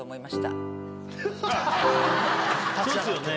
そうですよね。